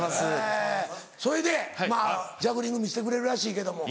それでジャグリング見せてくれるらしいけども。